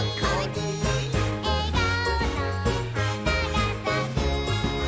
「えがおの花がさく」